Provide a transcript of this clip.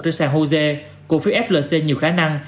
trên sàn hosea cổ phiếu flc nhiều khả năng